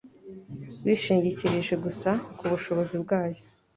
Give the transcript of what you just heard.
bishingikirije gusa ku bushobozi bwayo.